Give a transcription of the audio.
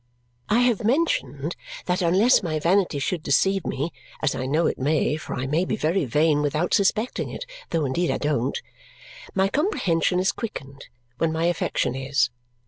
I have mentioned that unless my vanity should deceive me (as I know it may, for I may be very vain without suspecting it, though indeed I don't), my comprehension is quickened when my affection is.